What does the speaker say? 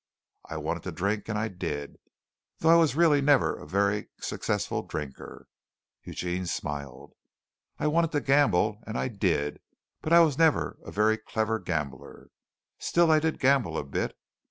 I wanted to drink, and I did, though I was really never a very successful drinker." Eugene smiled. "I wanted to gamble, and I did, but I was never a very clever gambler. Still I did gamble a bit.